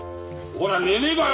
ほら寝ねえかよ